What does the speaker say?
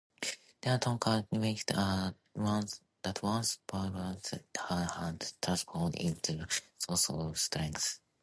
The tonka weight that once burdened her had transformed into a source of strength.